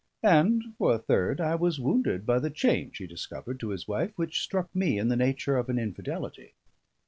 And for a third, I was wounded by the change he discovered to his wife, which struck me in the nature of an infidelity.